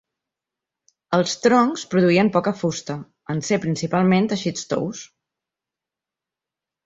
Els troncs produïen poca fusta, en ser principalment teixits tous.